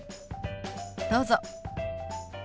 どうぞ。